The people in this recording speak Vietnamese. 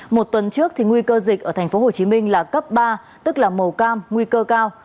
một tuần trước thì nguy cơ dịch ở tp hcm là cấp ba tức là màu cam nguy cơ cao